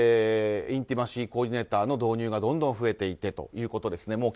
インティマシー・コーディネーターの導入がどんどん増えていてということですね。